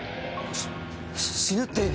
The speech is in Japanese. し死ぬって一体？